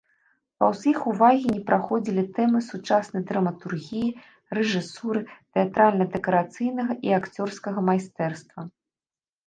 Паўз іх увагі не праходзілі тэмы сучаснай драматургіі, рэжысуры, тэатральна-дэкарацыйнага і акцёрскага майстэрства.